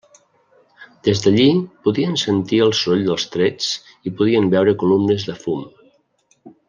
Des d'allí podien sentir el soroll dels trets i podien veure columnes de fum.